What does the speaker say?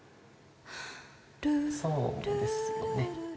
そうですよね。